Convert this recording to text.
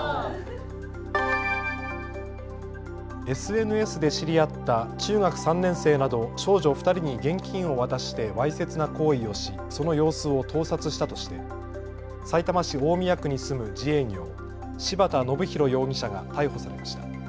ＳＮＳで知り合った中学３年生など少女２人に現金を渡してわいせつな行為をしその様子を盗撮したとしてさいたま市大宮区に住む自営業、柴田伸弘容疑者が逮捕されました。